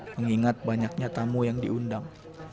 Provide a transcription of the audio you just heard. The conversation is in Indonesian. mengingat banyaknya tamu yang diundang